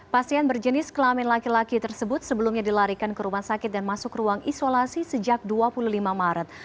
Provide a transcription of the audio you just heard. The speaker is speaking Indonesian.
pasien berjenis kelamin laki laki tersebut sebelumnya dilarikan ke rumah sakit dan masuk ruang isolasi sejak dua puluh lima maret